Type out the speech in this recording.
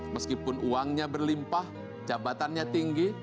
meskipun uangnya berlimpah jabatannya tinggi